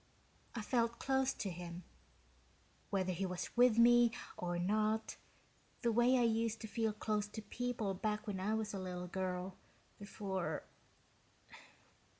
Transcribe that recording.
"I felt close to him, whether he was with me or not, the way I used to feel close to people back when I was a little girl, before